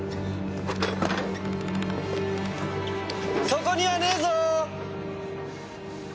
そこにはねぇぞ！